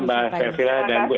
terima kasih pak miko